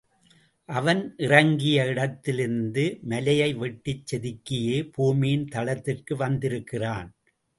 அவன் இறங்கிய இடத்திலிருந்து மலையை வெட்டிச் செதுக்கியே பூமியின் தளத்திற்கு வந்திருக்கிறான்.